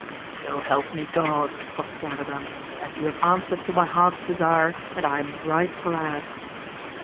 So help me God, quoth Garadan, as you have answered to my heart's desire, and I am right glad.